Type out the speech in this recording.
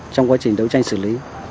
trong quá trình đấu tranh xử lý